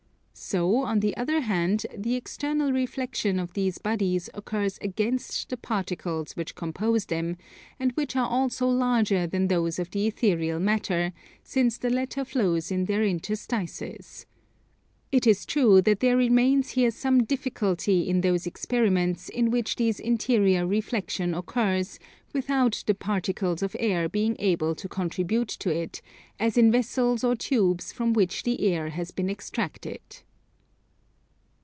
So on the other hand the external reflexion of these bodies occurs against the particles which compose them, and which are also larger than those of the ethereal matter, since the latter flows in their interstices. It is true that there remains here some difficulty in those experiments in which this interior reflexion occurs without the particles of air being able to contribute to it, as in vessels or tubes from which the air has been extracted.